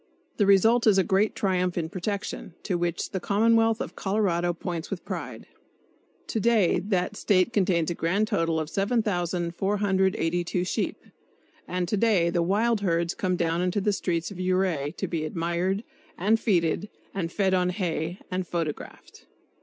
The result is a great triumph in protection, to which the commonwealth of Colorado points with pride. To day that State contains a grand total of 7,482 sheep; and to day the wild herds come down into the streets of Ouray to be admired, and feted, and fed on hay and photographed.